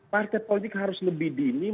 partai politik harus lebih dini